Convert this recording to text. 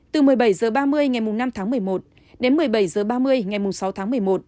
từ một mươi bảy h ba mươi ngày năm tháng một mươi một đến một mươi bảy h ba mươi ngày sáu tháng một mươi một